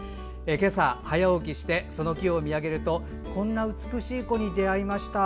今朝早起きしてその木を見上げるとこんな美しい子に出会いました。